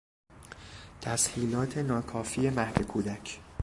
تسهیلات ناکافی مهد کودک